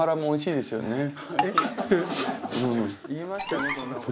おいしいですよね。